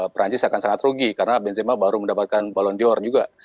perancis akan sangat rugi karena benzema baru mendapatkan balon dior juga